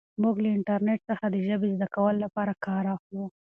موږ له انټرنیټ څخه د ژبې زده کولو لپاره کار اخلو.